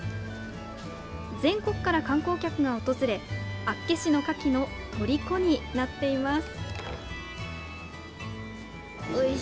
全国から観光客が訪れ、厚岸のカキのとりこになっています。